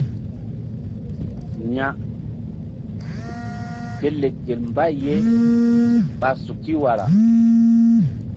Ya ke lek gel mbay ye ɓa suki wara.